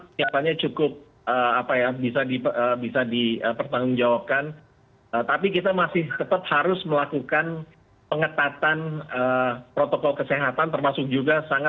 pengunucian wilayah atau lokasi di ibu kota bejing